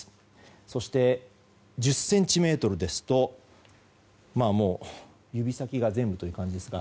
そして、１０ｃｍですと指先が全部という感じですが。